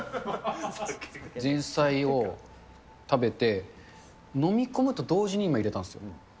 前菜を食べて、飲み込むと同時に今入れたんですよ。